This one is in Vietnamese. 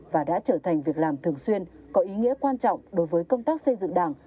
và đã trở thành việc làm thường xuyên có ý nghĩa quan trọng đối với công tác xây dựng đảng